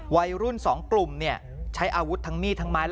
วัยรุ่น๒กลุ่มใช้อาวุธทั้งมีดทั้งไม้